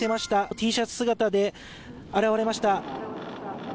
Ｔシャツ姿で現れました。